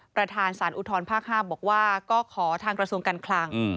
ประธานสารอุทธรภาค๕บอกว่าก็ขอทางกระทรวงการคลัง